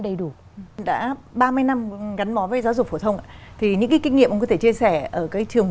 đầy đủ đã ba mươi năm gắn bó với giáo dục phổ thông thì những cái kinh nghiệm ông có thể chia sẻ ở cái trường